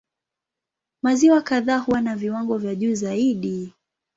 Maziwa kadhaa huwa na viwango vya juu zaidi.